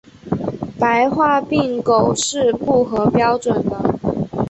白化病狗是不合标准的。